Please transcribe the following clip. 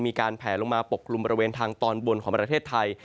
มีการแผลลงมาปกกลุ่มบริเวณทางตอนบนของประเทศไทย